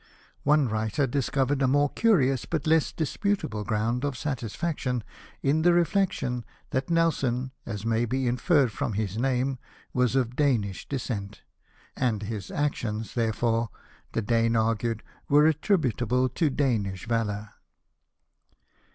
One writer discovered a more curious, but less disputable ground of satis faction, in the reflection that Nelson, as may be inferred from his name, was of Danish descent ; and his actions, therefore, the Dane argued, were attri butable to Danish valour.